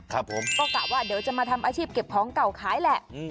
ก็คาดว่าเดี๋ยวจะมาทำอาชีพเก็บของเก่าขายแหละ